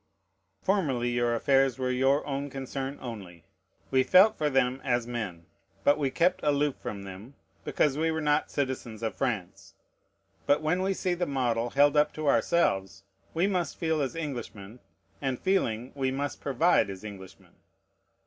Formerly your affairs were your own concern only. We felt for them as men; but we kept aloof from them, because we were not citizens of France. But when we see the model held up to ourselves, we must feel as Englishmen, and, feeling, we must provide as Englishmen.